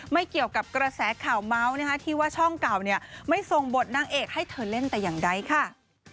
ไม่เกี่ยวกับกระแสข่าวเมาส์นะคะที่ว่าช่องเก่าเนี่ยไม่ส่งบทนางเอกให้เธอเล่นแต่อย่างใดค่ะ